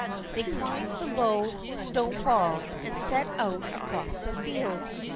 They climbed the low stone wall and set out across the field.